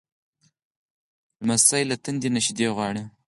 لمسی له تندې نه شیدې غواړي.